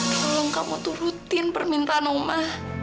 tolong kamu turutin permintaan rumah